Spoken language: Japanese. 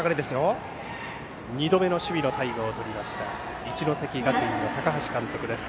２度目の守備のタイムを取った一関学院の高橋監督です。